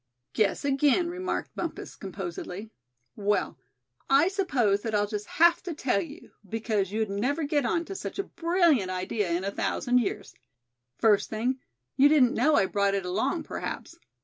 "Guess again," remarked Bumpus, composedly. "Well, I suppose that I'll just have to tell you, because you'd never get on to such a brilliant idea in a thousand years. First thing, you didn't know I brought it along, perhaps.